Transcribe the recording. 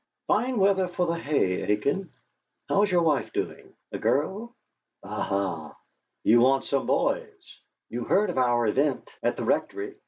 "Fine weather for the hay, Aiken! How's your wife doing a girl? Ah, ha! You want some boys! You heard of our event at the Rectory?